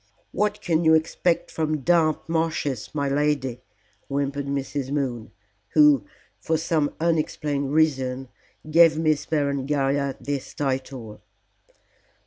"What can you expect from damp marshes, my lady?" whimpered Mrs. Moon, who, for some unexplained reason, gave Miss Berengaria this title.